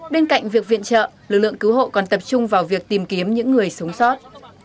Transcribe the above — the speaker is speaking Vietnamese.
bên cạnh việc viện trợ lực lượng cứu hộ còn tập trung vào việc tìm kiếm những người sống sót